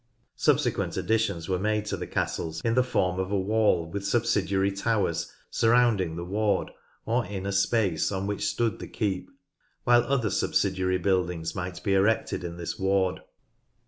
Subsequent additions were made to the castles in the form of a wall with subsidiary towers surrounding the ward or inner space on which 134 NORTH LANCASHIRE stood the keep, while other subsidiary buildings might be erected in this ward.